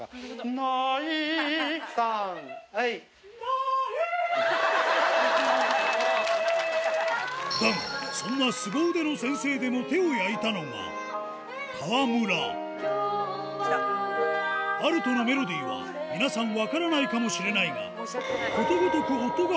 ないだがそんな川村アルトのメロディーは皆さん分からないかもしれないが